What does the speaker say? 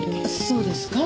そうですか？